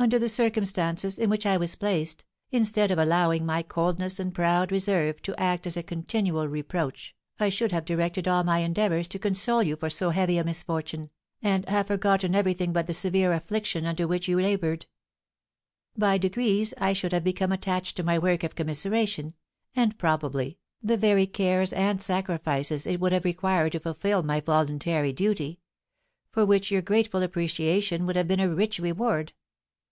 Under the circumstances in which I was placed, instead of allowing my coldness and proud reserve to act as a continual reproach, I should have directed all my endeavours to console you for so heavy a misfortune, and have forgotten everything but the severe affliction under which you laboured. By degrees I should have become attached to my work of commiseration, and, probably, the very cares and sacrifices it would have required to fulfil my voluntary duty; for which your grateful appreciation would have been a rich reward.